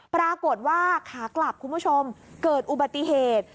ปรากฏว่าขากลับคุณผู้ชมเกิดอุบัติเหตุ